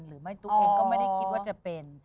หรือไม่ทุกคนก็ไม่ได้คิดว่าจะเป็น